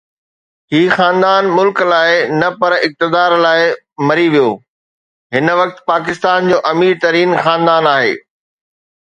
هي خاندان ملڪ لاءِ نه پر اقتدار لاءِ مري ويو، هن وقت پاڪستان جو امير ترين خاندان آهي